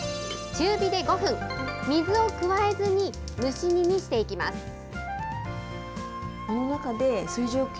中火で５分、水を加えずに蒸し煮にしていきます。